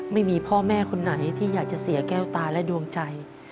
ไม่มีพ่อแม่คนไหนที่อยากจะเสียแก้วตาและดวงใจ